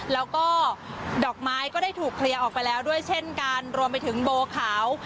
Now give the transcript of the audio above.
แล้วก็ดอกไม้ก็ได้ถูกเคลียร์ออกไปแล้วด้วยเช่นกันรวมไปถึงโบขาว